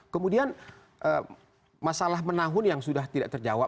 kemudian masalah menahun yang sudah tidak terjawab